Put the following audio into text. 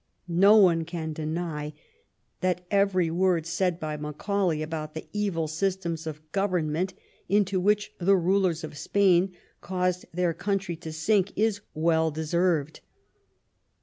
No one can deny that every word said by Macaulay about the evil systems of government into which the rulers of Spain caused their country to sink is well deserved.